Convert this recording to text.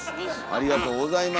ありがとうございます。